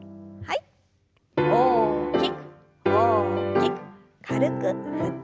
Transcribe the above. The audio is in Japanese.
大きく大きく軽く振って。